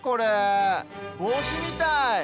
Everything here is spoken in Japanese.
ぼうしみたい。